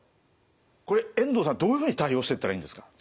これ遠藤さんどういうふうに対応してったらいいんですか？